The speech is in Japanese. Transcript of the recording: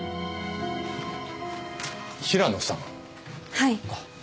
はい。